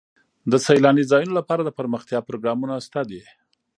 د سیلاني ځایونو لپاره دپرمختیا پروګرامونه شته دي.